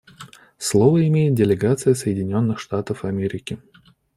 Слово имеет делегация Соединенных Штатов Америки.